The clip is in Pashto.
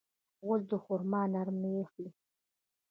غول د خرما نرمي اخلي.